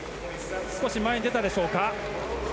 少し前に出たでしょうか。